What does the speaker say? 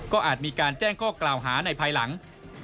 ก็อาจมีการแจ้งข้อกล่าวหาในภายหลัง